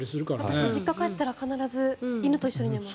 私も実家帰ったら必ず犬と一緒に寝ます。